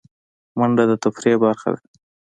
منډه د تفریح برخه ده